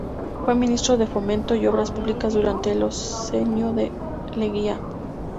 Fue Ministro de Fomento y Obras Públicas durante el Oncenio de Leguía.